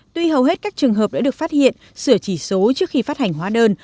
tuy hầu hết các trường hợp đã được phát hiện sửa chỉ số trước khi phát hành hóa đơn